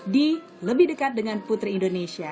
di lebih dekat dengan putri indonesia